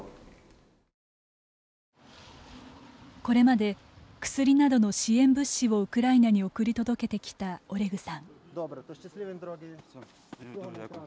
これまで薬などの支援物資をウクライナに送り届けてきたオレグさん。